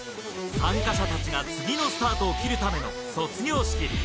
参加者たちが次のスタートを切るための卒業式。